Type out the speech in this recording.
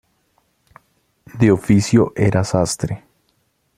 De oficio era sastre.